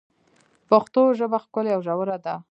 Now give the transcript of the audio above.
پښتو ژبه ښکلي او ژوره ده.